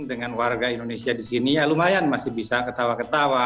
dengan warga indonesia di sini ya lumayan masih bisa ketawa ketawa